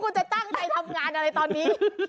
คุณจะตั้งใจทำงานอะไรตอนนี้